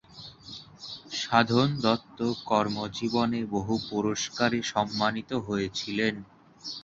সাধন দত্ত কর্মজীবনে বহু পুরস্কারে সম্মানিত হয়েছিলেন।